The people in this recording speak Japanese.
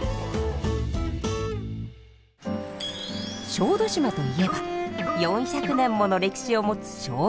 小豆島といえば４００年もの歴史を持つしょうゆの産地。